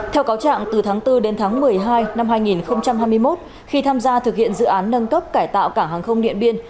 theo cáo trạng từ tháng bốn đến tháng một mươi hai năm hai nghìn hai mươi một khi tham gia thực hiện dự án nâng cấp cải tạo cảng hàng không điện biên